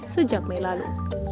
sejak mei lalu